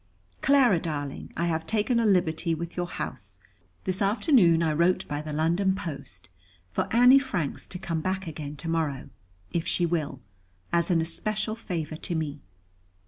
"Clara, darling, I have taken a liberty with your house. This afternoon, I wrote by the London post, for Annie Franks to come back again to morrow, if she will, as an especial favour to me."